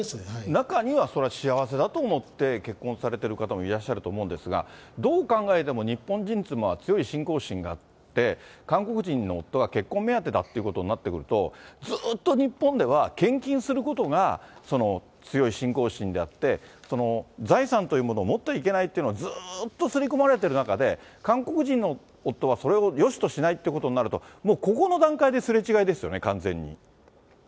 中にはそれは幸せだと思って結婚されてる方もいらっしゃると思うんですが、どう考えても日本人妻は強い信仰心があって、韓国人の夫が結婚目当てだっていうことになってくると、ずっと日本では献金することが強い信仰心であって、財産というものを持ってはいけないということをずーっとすり込まれてる中で、韓国人の夫はそれをよしとしないということになると、もうここの段階ですれ違いですよね、完全に。